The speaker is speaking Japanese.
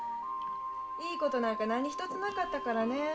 いいことなんか何ひとつなかったからねえ。